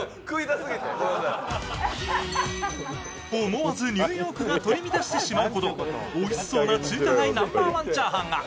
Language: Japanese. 思わずニューヨークが取り乱してしまうほどおいしそうな中華街ナンバーワンチャーハン。